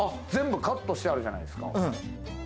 全部カットしてあるじゃないですか。